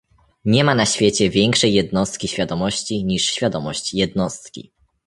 nie ma na świecie większej jednostki świadomości niż świadomość jednostki